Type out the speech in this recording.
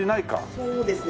そうですね。